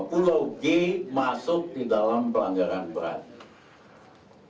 pulau g masuk di dalam pelanggaran berat